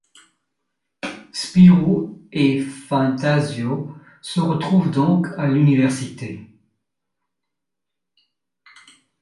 Spirou et Fantasio se retrouvent donc à l'Université.